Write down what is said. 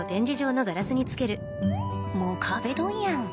もう壁ドンやんと